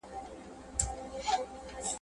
زه په داسي حال کي ,